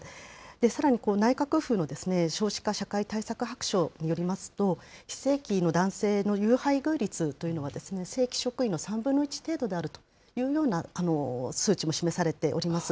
さらに内閣府の少子化社会対策白書によりますと、非正規の男性の有配偶率というのは、正規職員の３分の１程度であるというような数値も示されております。